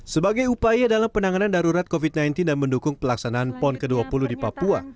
sebagai upaya dalam penanganan darurat covid sembilan belas dan mendukung pelaksanaan pon ke dua puluh di papua